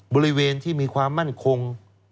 บริเวณที่มีความมั่นคง